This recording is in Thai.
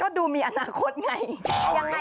ก็ดูมีอนาคตไง